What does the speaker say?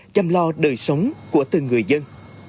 chăm lo đời sống của từng người dân